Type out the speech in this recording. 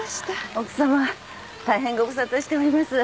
奥さま大変ご無沙汰しております。